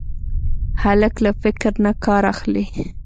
هلک له فکر نه کار اخلي.